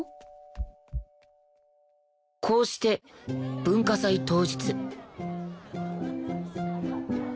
こうして文化祭当日